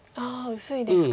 薄いですか。